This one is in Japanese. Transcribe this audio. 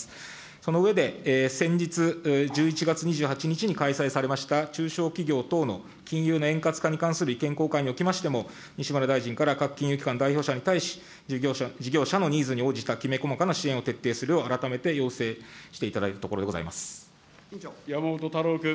その上で、先日１１月２８日に開催されました中小企業等の金融の円滑化に関する意見交換におきましても、西村大臣から各金融機関代表者に対し、事業者のニーズに応じたきめ細かな支援を徹底するよう、改めて要請していただいた山本太郎君。